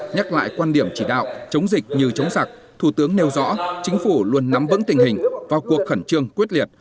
nhắc lại quan điểm chỉ đạo chống dịch như chống sặc thủ tướng nêu rõ chính phủ luôn nắm vững tình hình vào cuộc khẩn trương quyết liệt